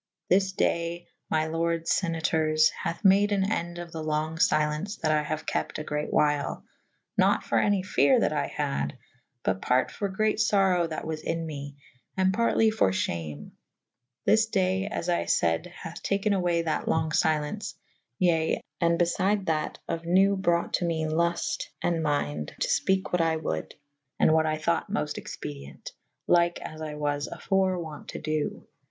This daye my lordes Senatoures hathe made an ende of the longe fcilence that I haue kepte a great whyle / nat for any fere that I had / but part for great Ibrowe that was in me / and partly for fhame / this daye as I fayd hathe take« away that longe fcilence / ye / and befyde that of newe brought to me lufte and mynde to fpeke what I wolde / and what I thought mofte expedie«t / lyke as I was afore wont to do.